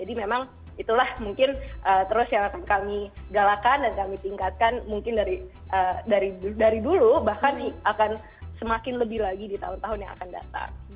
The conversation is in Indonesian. memang itulah mungkin terus yang akan kami galakan dan kami tingkatkan mungkin dari dulu bahkan akan semakin lebih lagi di tahun tahun yang akan datang